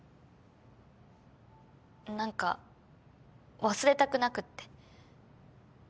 何か忘れたくなくって。